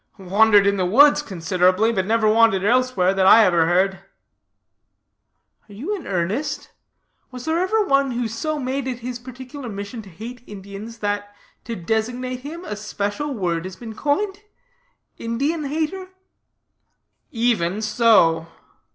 "Wandered in the woods considerably, but never wandered elsewhere, that I ever heard." "Are you in earnest? Was there ever one who so made it his particular mission to hate Indians that, to designate him, a special word has been coined Indian hater?" "Even so."